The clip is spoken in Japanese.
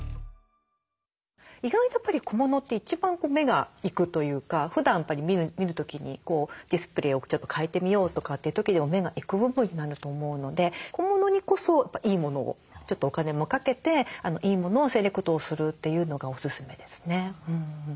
意外とやっぱり小物って一番目がいくというかふだん見る時にディスプレーをちょっと変えてみようとかって時でも目がいく部分になると思うので小物にこそいいものをちょっとお金もかけていいものをセレクトをするというのがおススメですね。